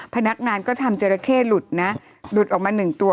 พนักงานก็ทำจราเข้หลุดนะหลุดออกมาหนึ่งตัว